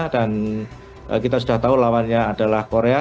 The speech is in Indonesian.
dan kita sudah tahu lawannya adalah korea